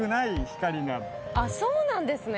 あっそうなんですね！